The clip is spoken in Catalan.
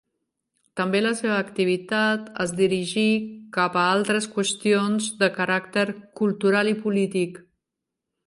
També la seva activitat es dirigí cap a altres qüestions de caràcter cultural i polític.